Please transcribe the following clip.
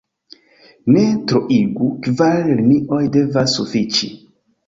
Ne troigu: kvar linioj devas sufiĉi.